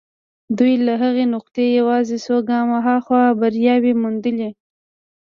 دوی له هغې نقطې يوازې څو ګامه هاخوا برياوې موندلې.